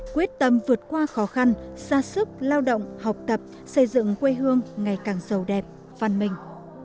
quyết tâm vượt qua khó khăn ra sức lao động học tập xây dựng quê hương ngày càng sầu đẹp văn minh